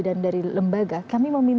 dan dari lembaga